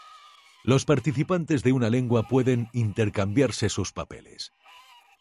Los participantes de una lengua pueden intercambiarse sus papeles.